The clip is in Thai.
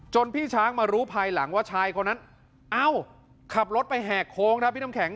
พี่ช้างมารู้ภายหลังว่าชายคนนั้นเอ้าขับรถไปแหกโค้งครับพี่น้ำแข็ง